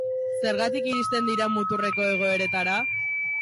Zergatik iristen dira muturreko egoeretara?